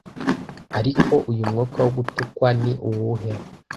ariko uyu mwuka wo gutukwa ni uwuhe